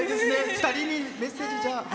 ２人にメッセージ。